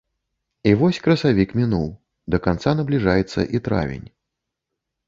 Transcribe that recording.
І вось красавік мінуў, да канца набліжаецца і травень.